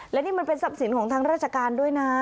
และนี่มันเป็นทรัพย์สินของทางราชการด้วยนะ